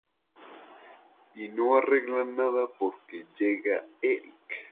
Y no arreglan nada porque llega Eric.